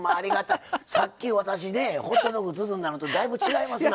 さっき私ねホットドッグ包んだのとだいぶ違いますな！